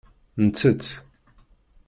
Nettett.